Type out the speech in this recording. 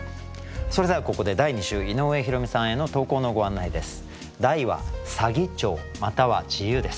それではここで第２週井上弘美さんへの投稿のご案内です。